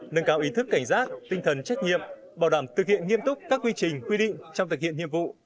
nâng cao ý thức cảnh giác tinh thần trách nhiệm bảo đảm thực hiện nghiêm túc các quy trình quy định trong thực hiện nhiệm vụ